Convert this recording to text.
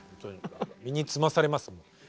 身につまされますもん。